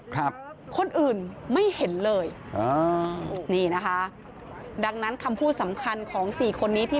ครับคนอื่นไม่เห็นเลยอ่านี่นะคะดังนั้นคำพูดสำคัญของสี่คนนี้ที่